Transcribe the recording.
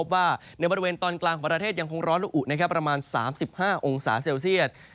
ว่าในบริเวณตอนกลางของประเทศยังคงร้อนละอุประมาณ๓๕องศาเซลเซียต